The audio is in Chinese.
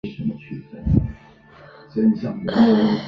佩尔东伊斯是巴西米纳斯吉拉斯州的一个市镇。